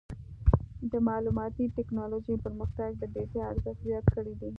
د معلوماتي ټکنالوجۍ پرمختګ د ډیټا ارزښت زیات کړی دی.